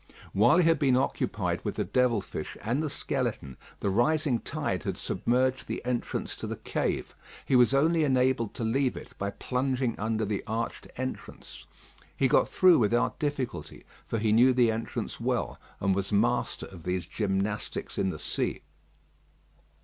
While he had been occupied with the devil fish and the skeleton, the rising tide had submerged the entrance to the cave. He was only enabled to leave it by plunging under the arched entrance. He got through without difficulty; for he knew the entrance well, and was master of these gymnastics in the sea.